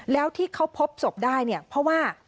แล้วที่เขาพบศพได้เนี่ยเพราะว่า